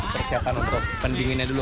persiapan untuk pendinginnya dulu